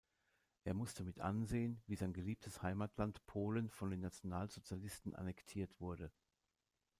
Er musste mitansehen, wie sein geliebtes Heimatland Polen von den Nationalsozialisten annektiert wurde.